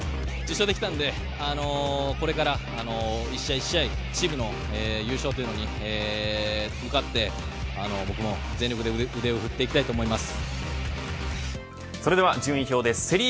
１０勝できたのでこれから１試合１試合、チームの優勝に向かって僕も全力で腕を振っていきたいと思います。